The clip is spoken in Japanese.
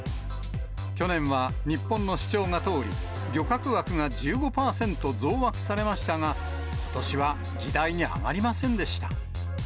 去年は日本の主張が通り、漁獲枠が１５％増枠されましたが、ことしは議題に上がりませんでした。